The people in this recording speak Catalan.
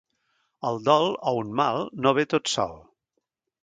El dol o un mal no ve tot sol.